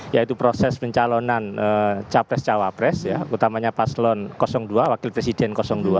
yaitu proses pencalonan capres cawapres ya utamanya paslon dua wakil presiden dua